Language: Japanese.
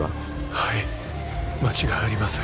はい間違いありません。